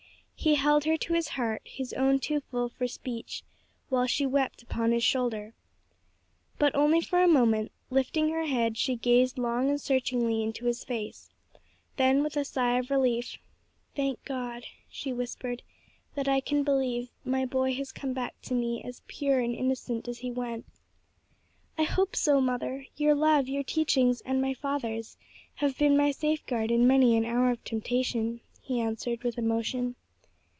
He held her to his heart, his own too full for speech, while she wept upon his shoulder. But only for a moment; lifting her head, she gazed long and searchingly into his face, then, with a sigh of relief, "Thank God," she whispered, "that I can believe my boy has come back to me as pure and innocent as he went!" "I hope so, mother; your love, your teachings and my father's have been my safeguard in many an hour of temptation," he answered with emotion.